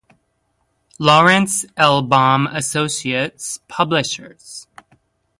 Lawrence Erlbaum Associates, Publishers.